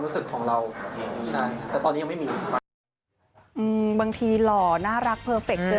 รู้สึกว่ามันไม่ใช่